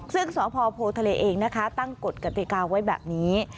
ซึ่งสพโพทะเลเองนะคะตั้งกฎกติกาไว้แบบนี้